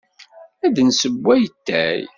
La d-nessewway atay.